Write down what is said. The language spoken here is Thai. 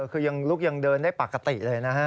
คือยังลุกยังเดินได้ปกติเลยนะฮะ